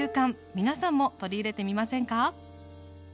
皆さんも取り入れてみませんか？